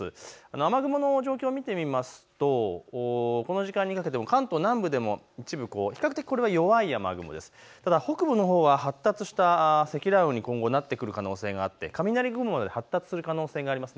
雨雲の状況を見てみますと、この時間にかけて関東南部でも一部、比較的、弱い雨雲、北部のほうは発達した積乱雲に今後なってくる可能性があって雷雲まで発達する可能性あります。